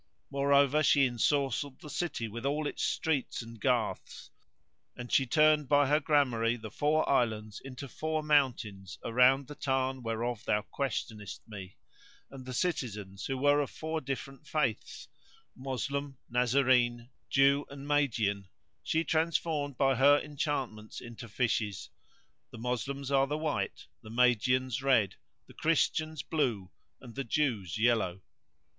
Moreover she ensorcelled the city with all its streets and garths, and she turned by her gramarye the four islands into four mountains around the tarn whereof thou questionest me; and the citizens, who were of four different faiths, Moslem, Nazarene, Jew and Magian, she transformed by her enchantments into fishes; the Moslems are the white, the Magians red, the Christians blue and the Jews yellow.